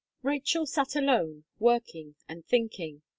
Rachel sat alone, working and thinking.